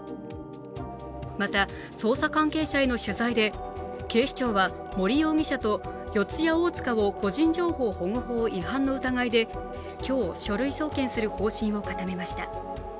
また、捜査関係者への取材で警視庁は森容疑者と四谷大塚を個人情報保護法違反の疑いで今日、書類送検する方針を固めました。